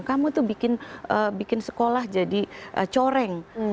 kamu tuh bikin sekolah jadi coreng